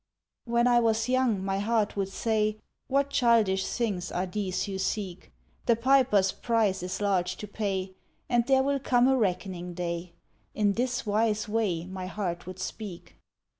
When I was young my heart would say: "What childish things are these you seek? The piper's price is large to pay And there will come a reckoning day!" In this wise way my heart would speak.